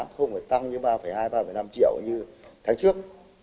hai ba hai tám không phải tăng như ba hai ba năm triệu như tháng trước